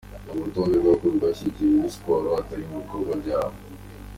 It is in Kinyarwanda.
Uru rutonde rwakozwe hashingiwe uri siporo atari ku bikorwa byabo.